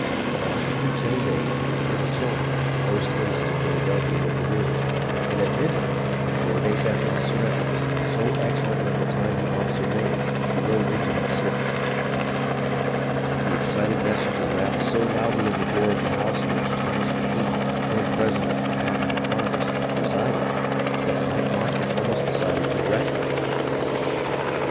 Washington sent his aide, Colonel Tilghman, post haste to Philadelphia with the news, and at midnight, four days after the surrender, so excellent was the time the officer made, he rode into that city. The excited messenger rapped so loudly on the door of the house in which Thomas M'Kean, then president of the Continental Congress, re sided that the night watchman almost decided to arrest him.